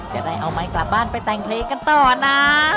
จะได้เอาไม้กลับบ้านไปแต่งเพลงกันต่อนะ